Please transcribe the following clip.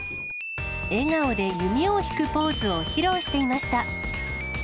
笑顔で弓を引くポーズを披露していました。